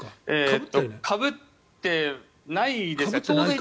かぶってないですね。